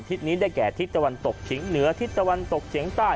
ทิศนี้ได้แก่ทิศตะวันตกทิศตะวันตอสเฉียงใต้หรือว่า